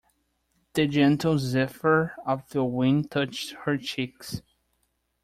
The gentle zephyr of the wind touched her cheeks.